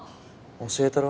教えたろ？